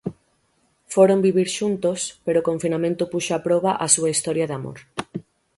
Foron vivir xuntos, pero o confinamento puxo a proba a súa historia de amor.